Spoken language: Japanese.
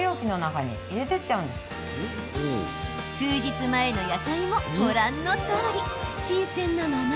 数日前の野菜もご覧のとおり新鮮なまま。